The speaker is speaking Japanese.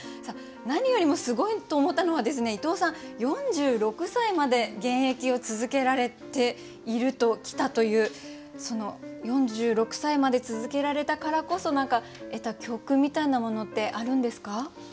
さあ何よりもすごいと思ったのは伊藤さん４６歳まで現役を続けられてきたというその４６歳まで続けられたからこそ何か得た教訓みたいなものってあるんですか？